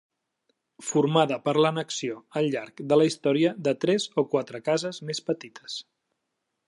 Formada per l'annexió al llarg de la història de tres o quatre cases més petites.